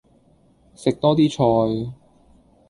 食多啲菜